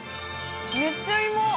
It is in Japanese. めっちゃ芋！